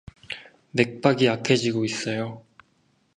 맥박이 약해지고 있어요.